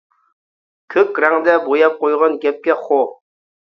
كۆك رەڭدە بوياپ قويغان گەپكە خو!